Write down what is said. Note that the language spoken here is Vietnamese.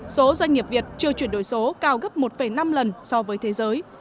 số doanh nghiệp việt chưa chuyển đổi số cao gấp một năm lần so với thế giới